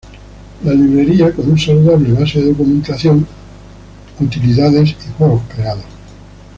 La librería, con una saludable base de documentación, utilidades y juegos creados.